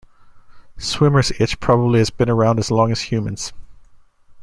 Swimmer's itch probably has been around as long as humans.